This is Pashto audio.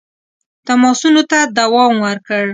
تماسونو ته دوام ورکړ.